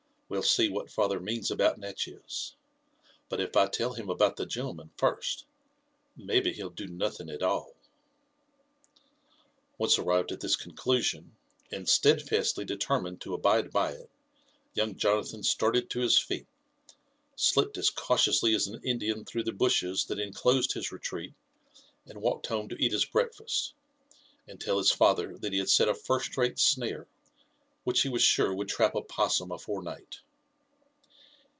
'' We'll see what father means about Natchez ; but if I tell him about the gentleman first, maybe be'U do nothing at all." Once arrived at this conclusion, and steadfastly determined to abide by it, young Jonathan started to his feet, slipped as cautiously as an Indian through the bushes that enclosed his retreat, and walked home 2 ) 18 LIFE AND ADVBNTURES OF to eat !)is broakfast, and tell his falher that he had set a first rate snare, which he was sure would Irap a possum afore night.